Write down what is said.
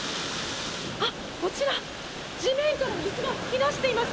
こちら地面から水が噴き出しています。